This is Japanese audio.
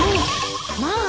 まあ。